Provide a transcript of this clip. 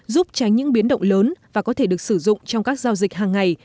giúp tránh những biến động lớn và có thể được sử dụng trong các giao dịch hàng ngày